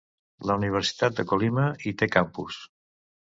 La Universitat de Colima hi té campus.